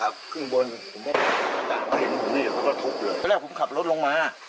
ไปแรกผมขับรถลงมา